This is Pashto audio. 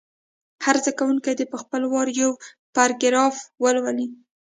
هر زده کوونکی دې په خپل وار یو پاراګراف ولولي.